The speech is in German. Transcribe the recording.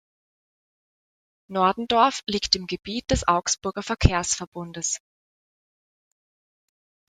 Nordendorf liegt im Gebiet des Augsburger Verkehrsverbundes.